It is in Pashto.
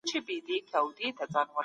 لباس بايد د انسان شرمګاه پټه کړي.